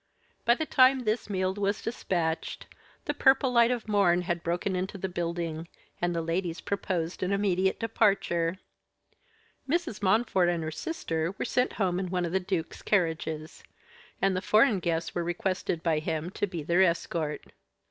By the time this meal was dispatched, the purple light of morn had broken into the building, and the ladies proposed an immediate departure. Mrs. Montfort and her sister were sent home in one of the duke's carriages; and the foreign guests were requested by him to be their escort.